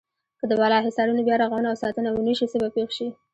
که د بالا حصارونو بیا رغونه او ساتنه ونشي څه به پېښ شي.